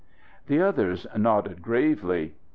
The others nodded gravely.